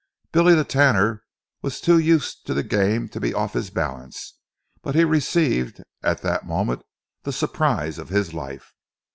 Billy the Tanner was too used to the game to be off his balance, but he received at that moment the surprise of his life.